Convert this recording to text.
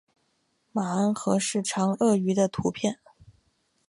安氏河马长颌鱼的图片